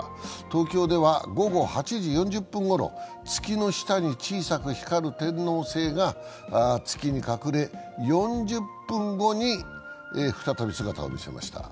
東京では午後８時４０分ごろ月の下に小さく光る天王星が月に隠れ、４０分後に再び姿を見せました。